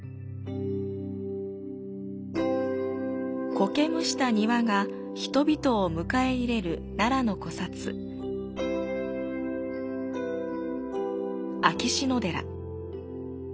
苔むした庭が人々を迎え入れる奈良の古刹、秋篠寺。